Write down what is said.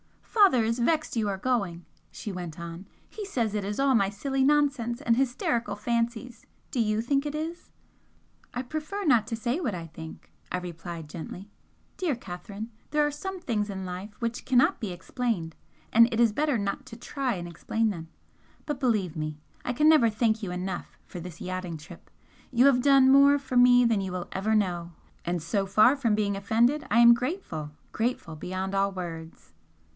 "Father is vexed you are going," she went on "He says it is all my silly nonsense and hysterical fancies do you think it is?" "I prefer not to say what I think," I replied, gently. "Dear Catherine, there are some things in life which cannot be explained, and it is better not to try and explain them. But believe me, I can never thank you enough for this yachting trip you have done more for me than you will ever know! and so far from being 'offended' I am grateful! grateful beyond all words!"